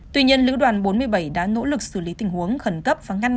tuy nhiên lưu đoàn bốn mươi bảy đã nỗ lực xử lý tình huống khẩn cấp